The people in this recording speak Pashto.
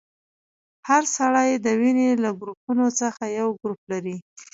هر سړی د وینې له ګروپونو څخه یو ګروپ لري.